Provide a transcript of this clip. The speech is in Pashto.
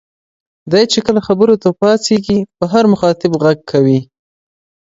دی چې کله خبرو ته پاڅېږي په هر مخاطب هم غږ کوي.